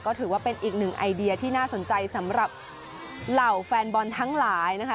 ก็ถือว่าเป็นอีกหนึ่งไอเดียที่น่าสนใจสำหรับเหล่าแฟนบอลทั้งหลายนะคะ